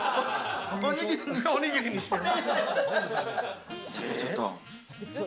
おにぎりにしてね。